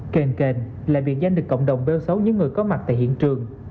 kênh kênh lại biện danh được cộng đồng bêu xấu những người có mặt tại hiện trường